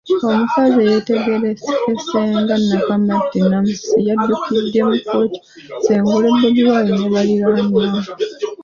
Omukazi eyategeerekese nga Nakamatte Namusisi yaddukidde mu kkooti asengule Bobi Wine ne baliraanwa.